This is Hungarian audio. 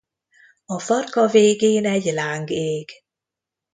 A farka végén egy láng ég.